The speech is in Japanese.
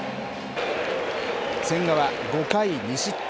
千賀は５回２失点。